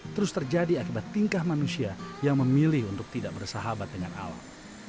terus terjadi akibat tingkah manusia yang memilih untuk tidak bersahabat dengan alam